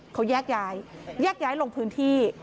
เขาแยกย้ายแยกย้ายลงพื้นที่